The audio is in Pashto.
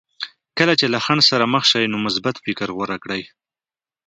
کله چې له خنډ سره مخ شئ نو مثبت فکر غوره کړئ.